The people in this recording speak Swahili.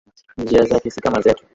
Njia zake si kama zetu.